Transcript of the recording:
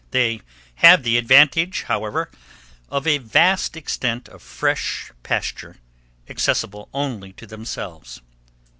They have the advantage, however, of a vast extent of fresh pasture, accessible only to themselves.